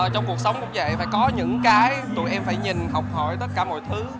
trong cuộc sống cũng vậy phải có những cái tụi em phải nhìn học hỏi tất cả mọi thứ